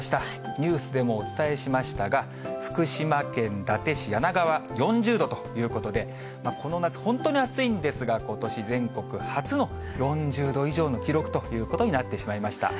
ニュースでもお伝えしましたが、福島県伊達市梁川、４０度ということで、この夏、本当に暑いんですが、ことし全国初の４０度以上の記録ということになってしまいました。